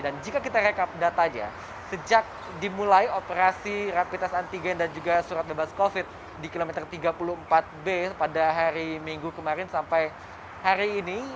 dan jika kita rekap datanya sejak dimulai operasi rapid test antigen dan juga surat bebas covid di km tiga puluh empat b pada hari minggu kemarin sampai hari ini